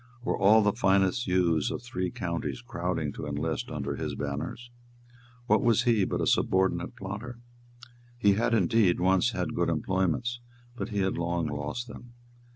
Were all the finest youths of three counties crowding to enlist under his banners? What was he but a subordinate plotter? He had indeed once had good employments; but he had long lost them.